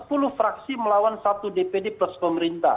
sepuluh fraksi melawan satu dpd plus pemerintah